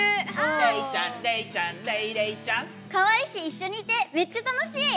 かわいいしいっしょにいてめっちゃ楽しい！